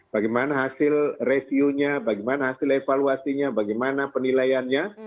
bagaimana hasil reviewnya bagaimana hasil evaluasinya bagaimana penilaiannya